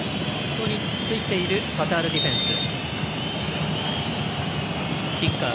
人についているカタールディフェンス。